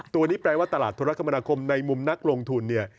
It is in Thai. ตัวนี้แปลว่าตลาดธรรมนาคมในมุมนักลงทุน